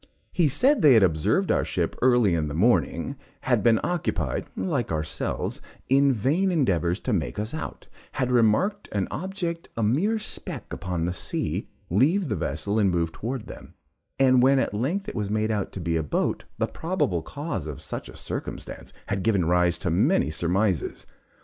He said they had observed our ship early in the morning had been occupied (like ourselves) in vain endeavors to make us out had remarked an object, a mere speck upon the sea, leave the vessel and move towards them, and when at length it was made out to be a boat, the probable cause of such a circumstance had given rise to many surmises.